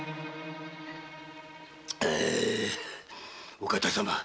お方様。